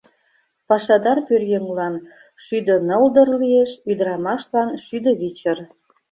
Пашадар пӧръеҥлан шӱдынылдыр лиеш, ӱдырамашлан — шӱдывичыр.